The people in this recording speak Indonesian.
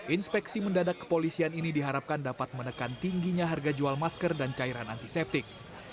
inspeksi mendadak kepolisian ini diharapkan dapat menekan tingginya harga jual masker dan cairan antiseptik